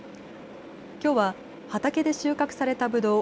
きょうは畑で収穫されたぶどう